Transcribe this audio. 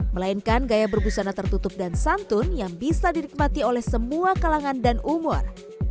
melainkan gaya berbusana tertutup dan santun yang bisa dinikmati oleh semua kalangan dan umur